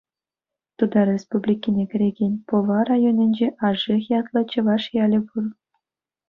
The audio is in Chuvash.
Тутар Республикине кӗрекен Пӑва район-ӗнче Альших ятлӑ чӑваш ялӗ пур.